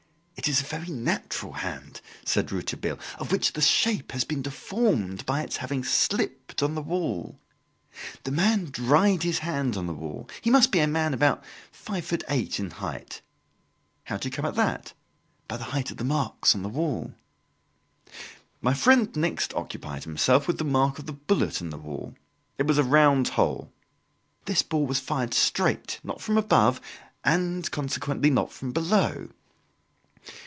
"It is a very natural hand," said Rouletabille, "of which the shape has been deformed by its having slipped on the wall. The man dried his hand on the wall. He must be a man about five feet eight in height." "How do you come at that?" "By the height of the marks on the wall." My friend next occupied himself with the mark of the bullet in the wall. It was a round hole. "This ball was fired straight, not from above, and consequently, not from below."